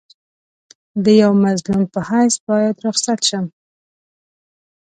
د یوه مظلوم په حیث باید رخصت شم.